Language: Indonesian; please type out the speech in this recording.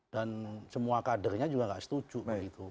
dan semua kadernya juga gak setuju